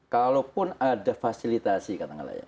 kalaupun ada fasilitasi katakanlah ya